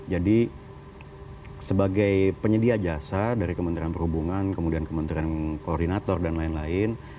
jadi sebagai penyedia jasa dari kementerian perhubungan kemudian kementerian koordinator dan lain lain